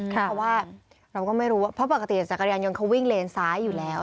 เพราะว่าเราก็ไม่รู้ว่าเพราะปกติจักรยานยนต์เขาวิ่งเลนซ้ายอยู่แล้ว